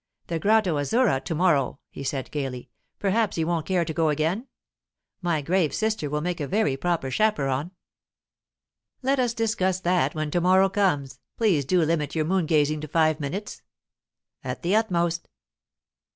"The Grotta Azzurra to morrow," he said gaily. "Perhaps you won't care to go again? My grave sister will make a very proper chaperon." "Let us discuss that when to morrow comes. Please to limit your moon gazing to five minutes." "At the utmost."